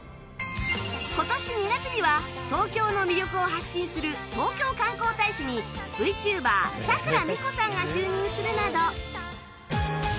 今年２月には東京の魅力を発信する東京観光大使に ＶＴｕｂｅｒ さくらみこさんが就任するなど